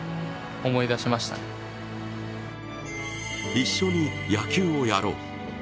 一緒に野球をやろう。